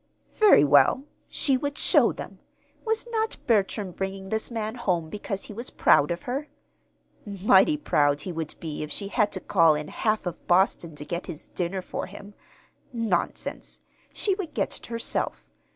Very well, she would show them. Was not Bertram bringing this man home because he was proud of her? Mighty proud he would be if she had to call in half of Boston to get his dinner for him! Nonsense! She would get it herself.